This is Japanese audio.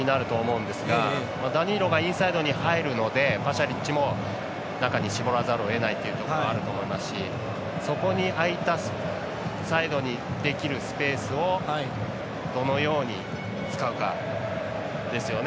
ダニーロがインサイドに入るのでパシャリッチも中に絞らざるをえないというところがあると思いますしそこに空いたサイドにできるスペースをどのように使うかですよね。